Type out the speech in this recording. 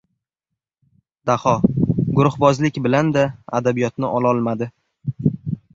Daho guruhbozlik bilanda Adabiyotni ololmadi!